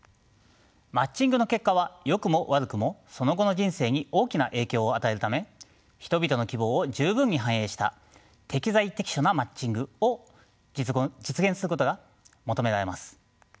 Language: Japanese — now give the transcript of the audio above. マッチングの結果はよくも悪くもその後の人生に大きな影響を与えるため人々の希望を十分に反映した適材適所なマッチングを実現することが求められます。